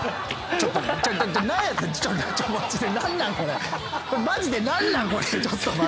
ちょっと待って！